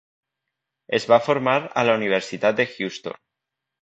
Es va formar a la Universitat de Houston.